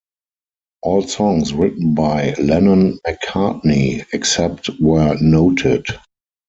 All songs written by Lennon-McCartney, except where noted.